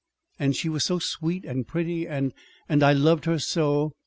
And she was so sweet and pretty, and and I loved her so!